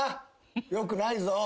よくないぞ。